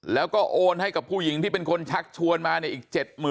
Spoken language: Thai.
แล้วก็โอนให้กับผู้หญิงที่เป็นคนชักชวนมาเนี่ยอีก๗๐๐๐